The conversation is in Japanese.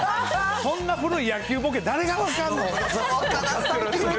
こんな古い野球ボケ、誰が分かんの。